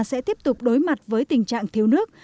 sẽ tiếp tục đối mặt với tình trạng thiếu nước